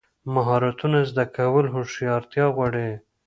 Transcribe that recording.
مهارتونه زده کول هوښیارتیا غواړي.